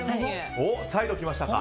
サイド来ましたか。